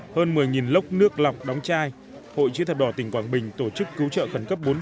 hơn một mươi lốc nước lọc đóng chai hội chữ thập đỏ tỉnh quảng bình tổ chức cứu trợ khẩn cấp